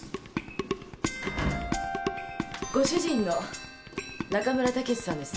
ご主人の中村武さんです。